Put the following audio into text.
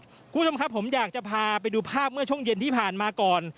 คุณผู้ชมครับผมอยากจะพาไปดูภาพเมื่อช่วงเย็นที่ผ่านมาก่อน